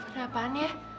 ada apaan ya